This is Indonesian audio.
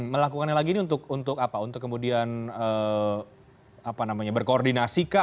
melakukannya lagi ini untuk apa untuk kemudian berkoordinasi kah